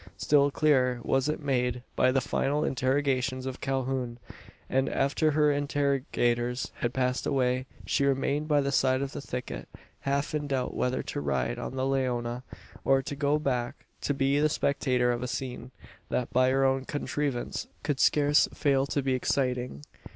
Still clearer was it made by the final interrogations of Calhoun; and, after her interrogators had passed away, she remained by the side of the thicket half in doubt whether to ride on to the Leona, or go back and be the spectator of a scene, that, by her own contrivance, could scarce fail to be exciting.